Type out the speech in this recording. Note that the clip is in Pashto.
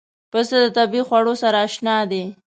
پسه د طبیعي خوړو سره اشنا دی.